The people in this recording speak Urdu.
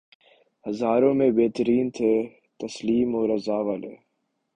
ہزاروں میں بہتر تن تھے تسلیم و رضا والے